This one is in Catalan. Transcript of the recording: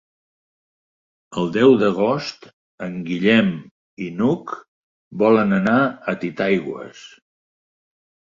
El deu d'agost en Guillem i n'Hug volen anar a Titaigües.